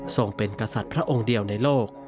ส่งเป็นกษัตริย์พระองค์เดียวในโลก